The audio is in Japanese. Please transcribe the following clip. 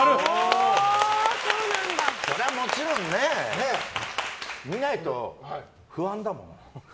そりゃもちろんね見ないと不安だもん。